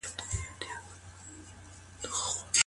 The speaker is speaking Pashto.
که درس وچ وي نو ذهن یې نه مني.